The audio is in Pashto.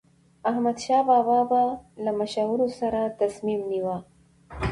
احمدشاه بابا به له مشورو سره تصمیم نیوه.